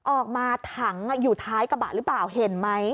ออกมาถังอยู่ท้ายกระบะหรือเปล่าเห็นไหม